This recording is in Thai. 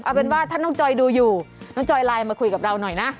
เอาเป็นว่าถ้าน้องจอยดูอยู่น้องจอยไลน์มาคุยกับเราหน่อยนะ